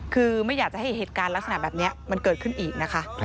คือไม่อยากจะให้เหตุการณ์ลักษณะแบบนี้มันเกิดขึ้นอีกนะคะ